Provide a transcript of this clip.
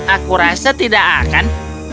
aku rasa tidak akan